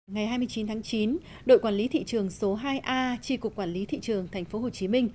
ngày hai mươi chín tháng chín đội quản lý thị trường số hai a chi cục quản lý thị trường tp hcm